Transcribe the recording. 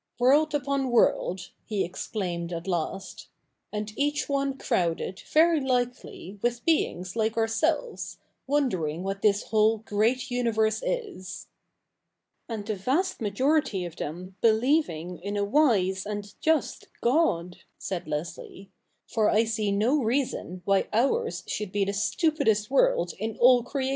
i 'World upon world,' he exclaimed at'iiiastj't&nd each one crowded, very Hkely, with being3"i' 'fe Ourselves, wondering what this whole great univers^^i sl ^' And the vast majority of them bd^e^^'ni^ in a wise and just God,' said Leslie, 'for I see i1^rt^i»i^n why ours should be the stupidest world in all ci efcf^^^i.'